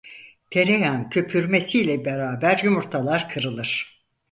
Tereyağın köpürmesiyle beraber yumurtalar kırılır.